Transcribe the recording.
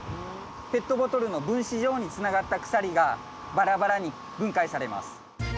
ペットボトルの分子状につながった鎖がバラバラに分解されます。